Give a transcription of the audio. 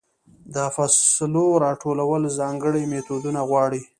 د فصلو راټولول ځانګړې میتودونه غواړي.